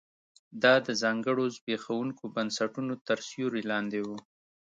دا د ځانګړو زبېښونکو بنسټونو تر سیوري لاندې و